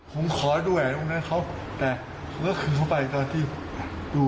ผมขอดูแหวนของเขาแต่ผมก็คืนเข้าไปตอนที่ดู